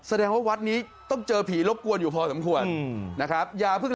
แสดงว่าวัดนี้ต้องเจอผีรบกวนอยู่พอสมควรนะครับ